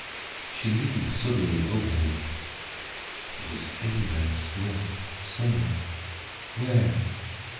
She leaned suddenly over him. HE was in there still, somewhere. _Where?